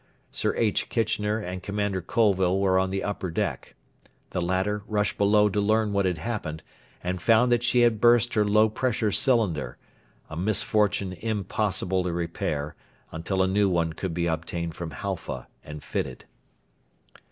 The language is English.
Sir H. Kitchener and Commander Colville were on the upper deck. The latter rushed below to learn what had happened, and found that she had burst her low pressure cylinder, a misfortune impossible to repair until a new one could be obtained from Halfa and fitted.